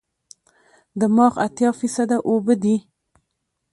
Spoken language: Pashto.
دماغ اتیا فیصده اوبه دي.